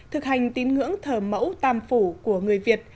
thực hành tín ngưỡng thờ mẫu tam phủ của người việt